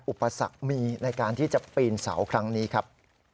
อุปสรรคมีในการที่จะปีนเสาครั้งนี้ครับ